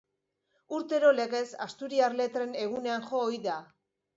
Urtero legez Asturiar Letren Egunean jo ohi da.